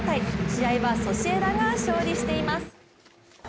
試合はソシエダが勝利しています。